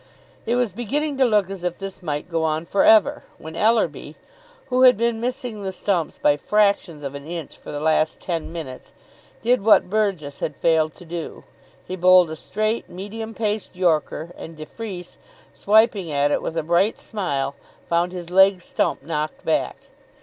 It was beginning to look as if this might go on for ever, when Ellerby, who had been missing the stumps by fractions of an inch, for the last ten minutes, did what Burgess had failed to do. He bowled a straight, medium paced yorker, and de Freece, swiping at it with a bright smile, found his leg stump knocked back.